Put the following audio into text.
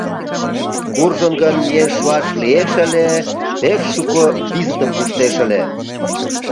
Куржын гын миен шуаш лиеш ыле, пеш шуко визытым пуштеш ыле...